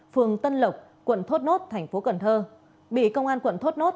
phường tân lộc quận thốt nốt thành phố cần thơ bị công an quận thốt nốt